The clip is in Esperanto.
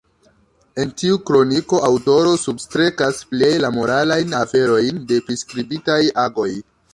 En tiu kroniko aŭtoro substrekas pleje la moralajn aferojn de priskribitaj agoj.